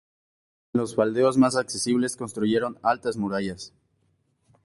En los faldeos más accesibles construyeron altas murallas.